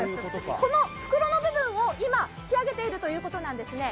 この袋の部分を今、引き揚げているということなんですね。